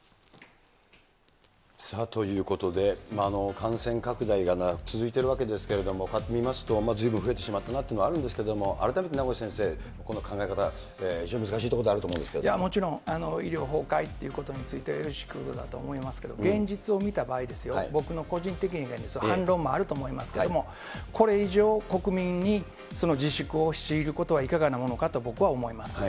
ということで、感染拡大が続いているわけですけれども、こうやって見ますとずいぶん増えてしまったなというのがあるんですけれども、改めて名越先生、この考え方、非常に難しいところいや、もちろん、医療崩壊ということについて由々しきことだと思いますけど、現実を見た場合ですよ、僕の個人的意見ですよ、反論もあると思いますけれども、これ以上国民に自粛を強いることはいかがなものかと僕は思います。